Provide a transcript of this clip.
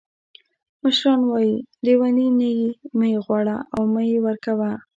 مشران وایي: لیوني نه یې مه غواړه او مه یې ورکوه.